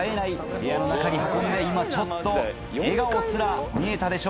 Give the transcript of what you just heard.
部屋の中に運んで今ちょっと笑顔すら見えたでしょうか。